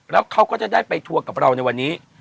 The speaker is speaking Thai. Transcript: แล้วเขาก็จะได้ไปทัวร์กับเราในวันนี้